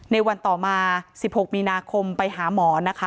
ในวันต่อมา๑๖มีไปหาหมอ